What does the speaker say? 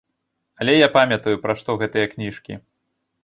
Але я памятаю, пра што гэтыя кніжкі.